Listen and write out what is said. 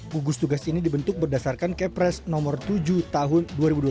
gugus tugas ini dibentuk berdasarkan kepres nomor tujuh tahun dua ribu dua puluh